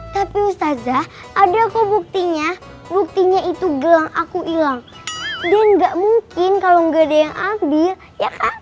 tapi ustazah ada kok buktinya buktinya itu gelang aku ilang dan nggak mungkin kalau nggak ada yang ambil ya kak